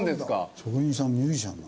職人さんミュージシャンだ。